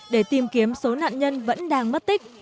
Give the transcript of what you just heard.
để tìm kiếm số nạn nhân vẫn đang mất tích